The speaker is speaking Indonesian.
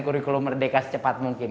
kurikulum merdeka secepat mungkin